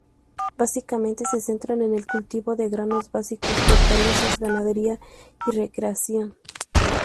Básicamente se centra en el cultivo de granos básicos, hortalizas, ganadería y recreación.